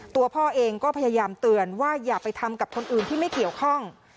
ตัวพ่อเองก็พยายามเตือนว่าอย่าไปทำกับคนอื่นที่ไม่เกี่ยวข้อง